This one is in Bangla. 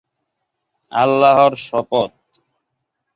আল্লাহর শপথ!